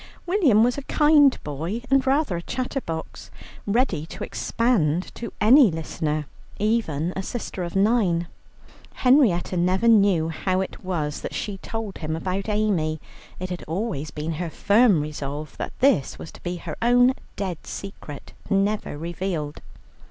William was a kind boy and rather a chatterbox, ready to expand to any listener, even a sister of nine. Henrietta never knew how it was that she told him about Amy. It had always been her firm resolve that this was to be her own dead secret, never revealed.